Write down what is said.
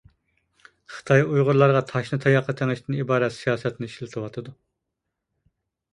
خىتاي ئۇيغۇرلارغا تاشنى تاياققا تېڭىشتىن ئىبارەت سىياسەتنى ئىشلىتىۋاتىدۇ.